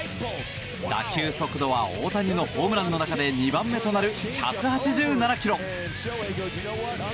打球速度は大谷のホームランの中で２番目となる１８７キロ。